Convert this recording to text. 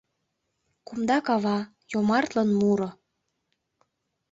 Кумда кава, йомартлын муро.